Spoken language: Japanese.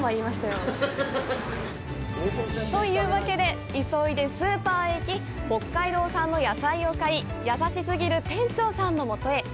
というわけで、急いでスーパーへ行き北海道産の野菜を買い優しすぎる店長さんの元へ。